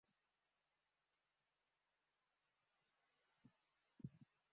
আমি কেইডেন্স, মিশেলের বোন।